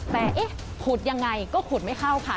แต่ขุดอย่างไรก็ขุดไม่เข้าค่ะ